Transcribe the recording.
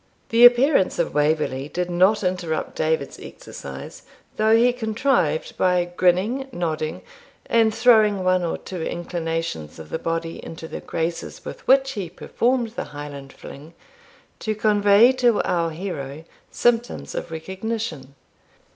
The appearance of Waverley did not interrupt David's exercise, though he contrived, by grinning, nodding, and throwing one or two inclinations of the body into the graces with which he performed the Highland fling, to convey to our hero symptoms of recognition.